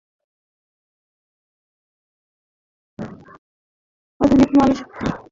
ফসিলটি আধুনিক মানুষ প্রজাতির আদি কোনো প্রতিনিধির চিহ্ন বলে মনে করছেন বিশেষজ্ঞরা।